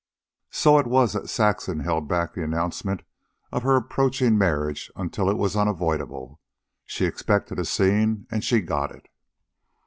So it was that Saxon had held back the announcement of her approaching marriage until it was unavoidable. She expected a scene, and she got it.